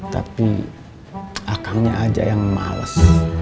tapi akangnya aja yang males